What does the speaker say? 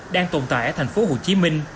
đang tồn tại ở tp hcm